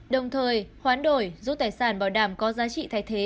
đồng thời hoán đổi giúp tài sản bảo đảm có giá trị thay thế